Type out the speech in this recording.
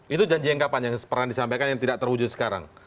itu janji yang kapan yang pernah disampaikan yang tidak terwujud sekarang